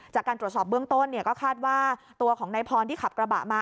จากการตรวจสอบเบื้องต้นก็คาดว่าตัวของนายพรที่ขับกระบะมา